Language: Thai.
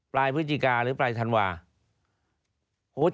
ปลายพฤจิกาหรือปลายธันวาส์